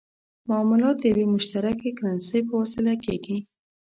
معاملات د یوې مشترکې کرنسۍ په وسیله کېږي.